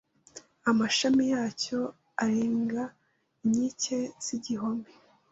Amashami yacyo arenge inkike z’igihome